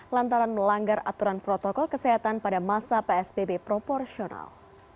lantaran melanggar aturan protokol kesehatan pada masa psbb proporsional